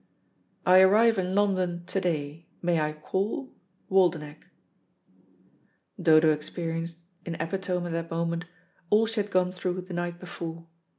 "I arrive in London to day. May I call? "WALDENECH." Dodo experienced, in epitome at that moment, all she had gone through the night before.